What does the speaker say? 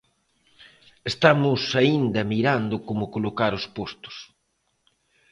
Estamos aínda mirando como colocar os postos.